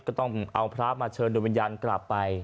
ก็ต้องเอาพระมาเชิญโดยวิญญาณกลับไป